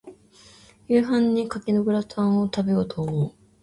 夕飯に牡蠣のグラタンを、食べようと思う。